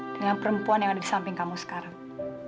dengan perempuan yang ada di samping kamu sekarang